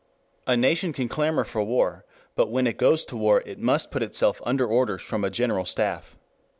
A nation can clamor for war, but when it goes to war it must put itself under orders from a general staff.